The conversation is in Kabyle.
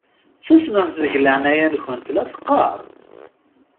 Susmemt deg leɛnaya-nkent la teqqaṛ!